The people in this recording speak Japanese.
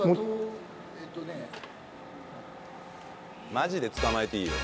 マジで捕まえていいよ。